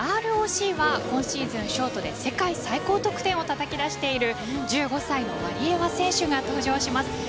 そしてＲＯＣは今シーズンショートで世界最高得点をたたき出している１５歳のワリエワ選手が登場します。